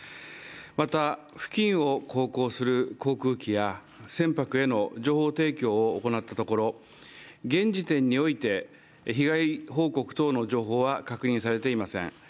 また、付近を航行する航空機や船舶への情報提供を行ったところ、現時点において被害報告等の情報は確認されていません。